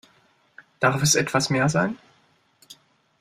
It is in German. Darf es etwas mehr sein?